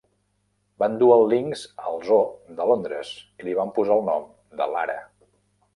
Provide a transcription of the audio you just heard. Van dur el linx al zoo de Londres i li van posar el nom de Lara.